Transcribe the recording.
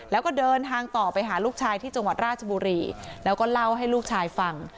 แล้วก็เดินทางต่อไปหาลูกชายที่จังหวัดราชบุรีแล้วก็เล่าให้ลูกชายฟัง